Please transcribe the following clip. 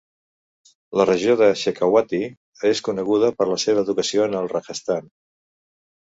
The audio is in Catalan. La regió de Shekhawati és coneguda per la seva educació en el Rajasthan.